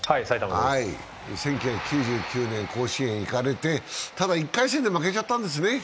１９９９年甲子園へ行かれて、ただ１回戦で負けちゃったんですね。